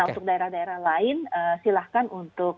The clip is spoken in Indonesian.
untuk daerah daerah lain silahkan untuk